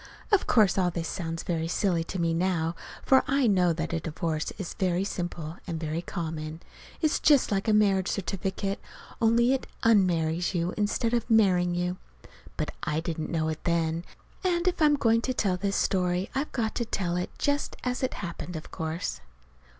(Of course all this sounds very silly to me now, for I know that a divorce is very simple and very common. It's just like a marriage certificate, only it _un_marries you instead of marrying you; but I didn't know it then. And if I'm going to tell this story I've got to tell it just as it happened, of course.)